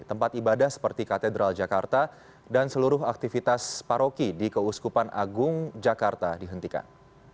tempat ibadah seperti katedral jakarta dan seluruh aktivitas paroki di keuskupan agung jakarta dihentikan